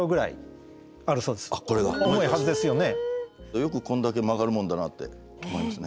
よくこんだけ曲がるもんだなって思いますね。